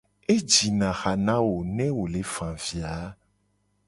Ejina ha na wo ne wo le fa avi a.